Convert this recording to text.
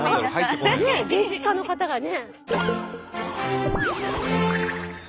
ねえ芸術家の方がね。